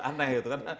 aneh gitu kan